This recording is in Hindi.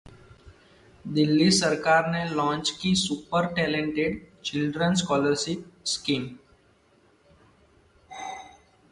दिल्ली सरकार ने लॉन्च की super talented children scholarship scheme